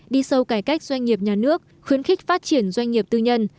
đi sâu cải cách doanh nghiệp nhà nước khuyến khích phát triển doanh nghiệp tư nhân